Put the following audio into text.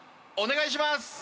お願いします。